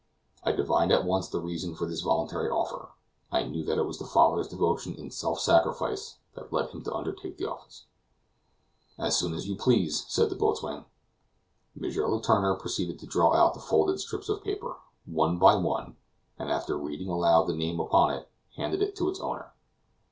I divined at once the reason of this voluntary offer; I knew that it was the father's devotion in self sacrifice that led him to undertake the office. "As soon as you please," said the boatswain. M. Letourneur proceeded to draw out the folded strips of paper, one by one, and, after reading out loud the name upon it, handed it to its owner.